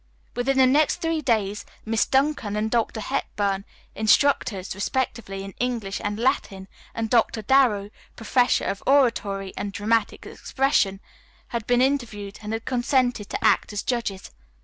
Within the next three days Miss Duncan and Dr. Hepburn, instructors, respectively, in English and Latin, and Dr. Darrow, professor of Oratory and Dramatic Expression, had been interviewed and had consented to act as judges.